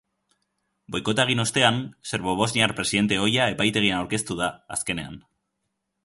Boikota egin ostean, serbobosniar presidente ohia epaitegian aurkeztu da, azkenean.